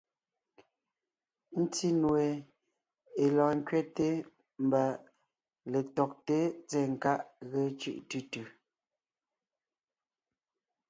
Ńtí nue (é lɔɔn ńkẅɛte mbà) letɔgté tsɛ̀ɛ nkáʼ ge cʉ́ʼ tʉ tʉ.